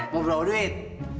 mau jauh duit